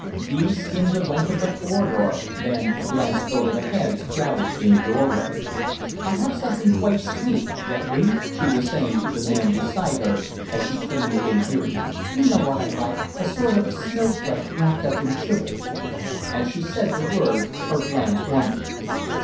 These skimmed the length of the corridor, then glanced over the heads crowded in the door way. "I'll have something quite sweet, Geoffrey," she was saying to the man beside her, as she came within hearing. "You know what I like a sort of snowflake wrapped up in sugar." As she said the words her glance wandered.